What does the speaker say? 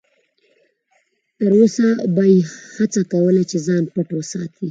تر وسه به یې هڅه کوله چې ځان پټ وساتي.